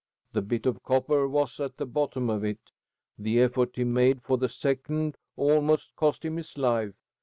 The bit of copper was at the bottom of it. The effort he made for the second almost cost him his life.